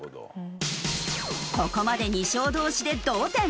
ここまで２勝同士で同点。